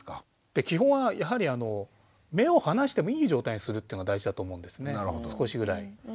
基本はやはり目を離してもいい状態にするというのが大事だと思うんですね少しぐらい。